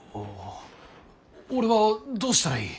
俺はどうしたらいい？